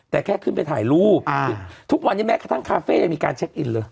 แต่แค่ขึ้นไปถ่ายรูปทุกวันนี้แม้กระทั่งคาเฟ่ยังมีการเช็คอินเลย